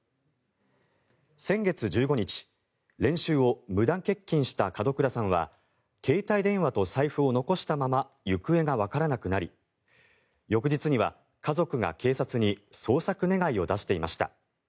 先月１５日練習を無断欠勤した門倉さんは携帯電話と財布を残したまま行方がわからなくなり翌日には家族が警察に捜索願を出していました。